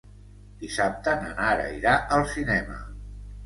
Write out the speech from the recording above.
Dissabte na Nara irà al cinema.